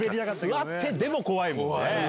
座ってでも怖いもんね。